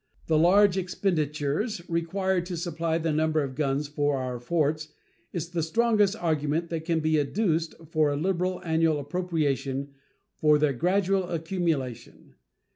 The large expenditures required to supply the number of guns for our forts is the strongest argument that can be adduced for a liberal annual appropriation for their gradual accumulation.